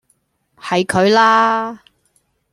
係佢啦!